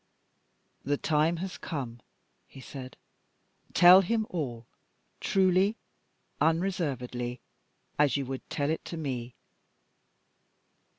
"The time has come," he said. "Tell him all truly, unreservedly, as you would tell it to me."